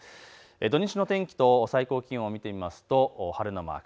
土日の天気と最高気温を見てみますと晴れのマーク。